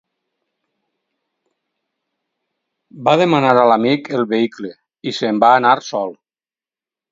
Va demanar a l'amic el vehicle i se'n va anar sol.